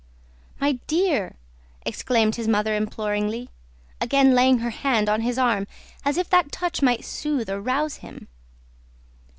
"My dear!" exclaimed his mother imploringly, again laying her hand on his arm as if that touch might soothe or rouse him.